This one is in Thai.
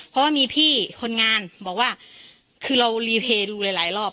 เพราะว่ามีพี่คนงานบอกว่าคือเรารีเพย์ดูหลายหลายรอบ